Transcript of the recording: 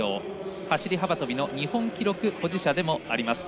走り幅跳びの日本記録保持者でもあります。